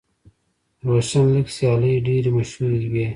د روشن لیګ سیالۍ ډېرې مشهورې وې.